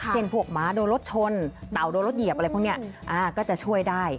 เช่นพวกหมาโดนรถชนเต่าโดนรถเหยียบอะไรพวกนี้ก็จะช่วยได้